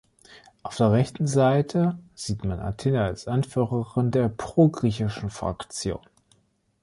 Auf der rechten Seite sieht man Athena als Anführerin der pro-griechischen Fraktion.